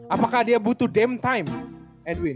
apakah dia butuh dame time edwin